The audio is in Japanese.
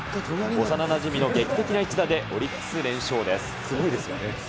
幼なじみの劇的な一打で、オリックス、連勝です。